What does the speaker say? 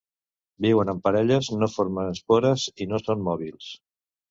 Viuen en parelles, no formen espores i no són mòbils.